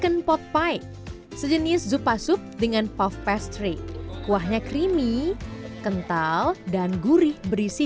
chicken pot pie sejenis zupa sup dengan puff pastry kuahnya creamy kental dan gurih berisi